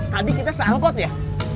tadi kita se angkot ya